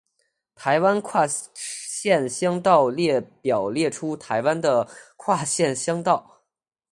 台湾跨县乡道列表列出台湾的跨县乡道。